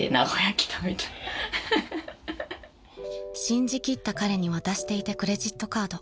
［信じきった彼に渡していたクレジットカード］